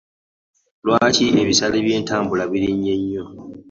Lwaki ebisale by'entambula birinye nnyo?